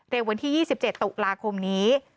วันที่๒๗ตุลาคมนี้